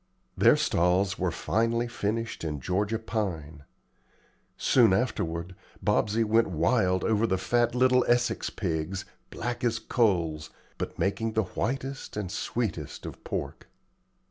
Their stalls were finely finished in Georgia pine. Soon afterward, Bobsey went wild over the fat little Essex pigs, black as coals, but making the whitest and sweetest of pork.